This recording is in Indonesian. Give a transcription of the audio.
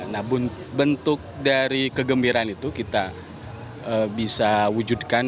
nah bentuk dari kegembiraan itu kita bisa wujudkan